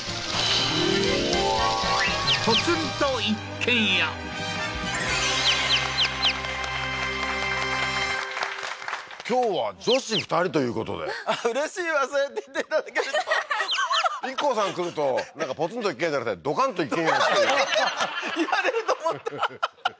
今夜も今日は女子２人ということでうれしいわそうやって言っていただけるとＩＫＫＯさん来るとなんかポツンと一軒家じゃなくてドカンと一軒家ドカンと一軒家言われると思ったははははっ